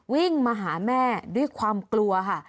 วิ่งมาหาแม่ด้วยความกลัวค่ะ